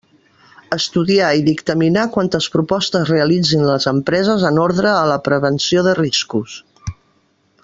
Estudiar i dictaminar quantes propostes realitzen les empreses en ordre a la prevenció de riscos.